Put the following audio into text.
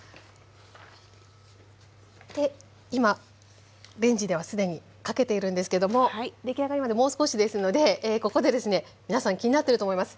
で今レンジでは既にかけているんですけども出来上がりまでもう少しですのでここでですね皆さん気になってると思います。